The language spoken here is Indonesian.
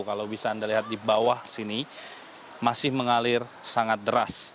kalau bisa anda lihat di bawah sini masih mengalir sangat deras